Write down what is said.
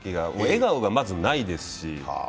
笑顔がまずないですし。